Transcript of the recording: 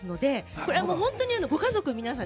これは本当にご家族皆さん